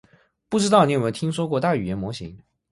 不知道你有没有听过大语言模型？